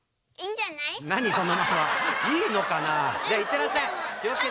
じゃいってらっしゃい。